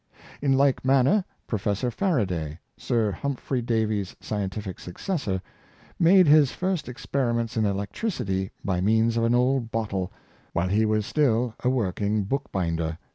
In like manner Professor Faraday, Sir Humphrey Davy's scientific successor, made his first experiments in electricity by means of an old bottle, while he was still a working bookbinder.